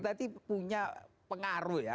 tapi punya pengaruh ya